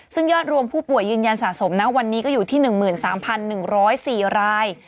ซึ่งยอดรวมผู้ป่วยยืนยันสะสมนะวันนี้ก็อยู่ที่๑๓๑๐๔ราย